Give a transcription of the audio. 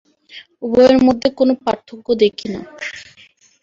উভয়ের মধ্যে কোন পার্থক্য দেখি না।